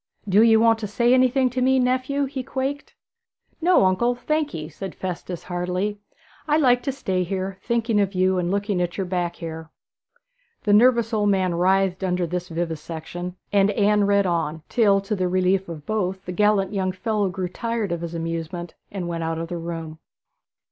'Do ye want to say anything to me, nephew?' he quaked. 'No, uncle, thank ye,' said Festus heartily. 'I like to stay here, thinking of you and looking at your back hair.' The nervous old man writhed under this vivisection, and Anne read on; till, to the relief of both, the gallant fellow grew tired of his amusement and went out of the room.